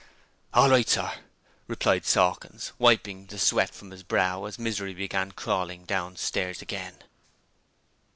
'All right, sir,' replied Sawkins, wiping the sweat from his brow as Misery began crawling downstairs again.